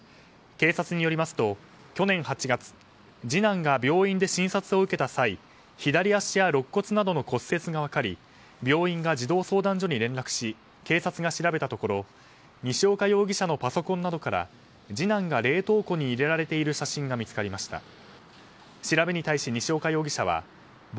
警察によりますと去年８月次男が病院で診察を受けた際左足やろっ骨などの骨折が分かり病院が児童相談所に連絡し警察が調べたところ西岡容疑者のパソコンなどから次男が冷凍庫に入れられている写真が見つかりました。